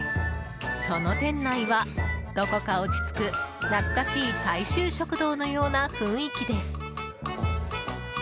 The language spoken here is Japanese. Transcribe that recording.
その店内は、どこか落ち着く懐かしい大衆食堂のような雰囲気です。